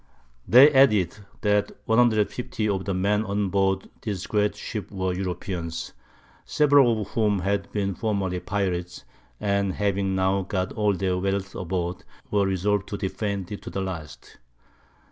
They added, that 150 of the Men on board this great Ship were Europeans, several of whom had been formerly Pirates, and having now got all their Wealth aboard, were resolved to defend it to the last.